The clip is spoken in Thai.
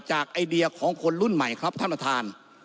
ไอเดียของคนรุ่นใหม่ครับท่านประธาน